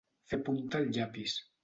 Fer punta al llapis.